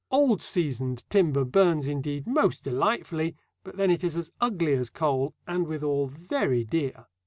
Old seasoned timber burns indeed most delightfully, but then it is as ugly as coal, and withal very dear.